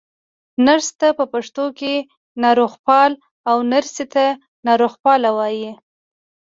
نرس ته په پښتو کې ناروغپال، او نرسې ته ناروغپاله وايي.